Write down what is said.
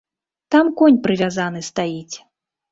Там конь прывязаны стаіць.